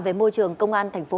về môi trường công an huyện tuy đức